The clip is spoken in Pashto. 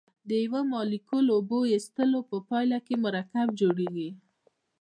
د یو مالیکول اوبو ایستلو په پایله کې مرکب جوړیږي.